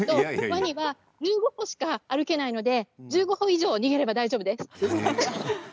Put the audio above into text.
ワニは１５歩しか歩けないので１５歩以上に歩けば大丈夫です。